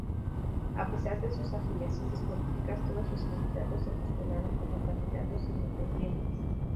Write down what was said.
A pesar de sus afiliaciones políticas, todos los candidatos se postularon como candidatos independientes.